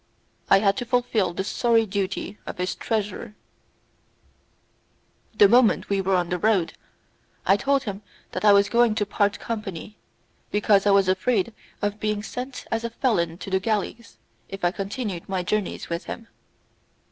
I had to fulfil the sorry duty of his treasurer. The moment we were on the road, I told him that I was going to part company, because I was afraid of being sent as a felon to the galleys if I continued my journey with him.